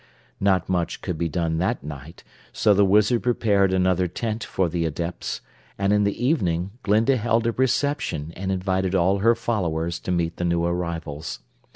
Not much could be done that night, so the Wizard prepared another tent for the Adepts, and in the evening Glinda held a reception and invited all her followers to meet the new arrivals.